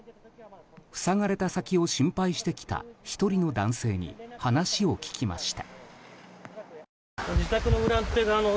塞がれた先を心配して来た１人の男性に話を聞きました。